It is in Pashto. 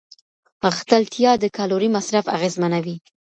غښتلتیا د کالوري مصرف اغېزمنوي.